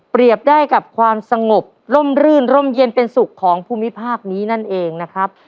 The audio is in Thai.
ได้กับความสงบร่มรื่นร่มเย็นเป็นสุขของภูมิภาคนี้นั่นเองนะครับ